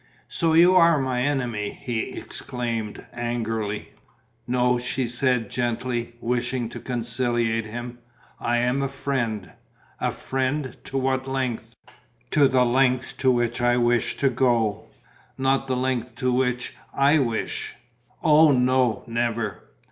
"So you are my enemy?" he exclaimed, angrily. "No," she said, gently, wishing to conciliate him. "I am a friend." "A friend? To what length?" "To the length to which I wish to go." "Not the length to which I wish?" "Oh, no, never!"